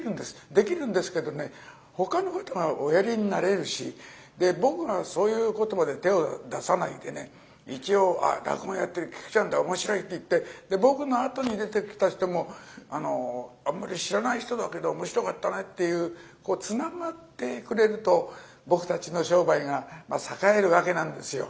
できるんですけどねほかの方がおやりになれるし僕がそういうことまで手を出さないで一応落語やってるキクちゃんって面白いっていって僕のあとに出てきた人もあんまり知らない人だけど面白かったねっていうこうつながってくれると僕たちの商売が栄えるわけなんですよ。